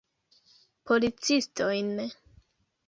Policistojn.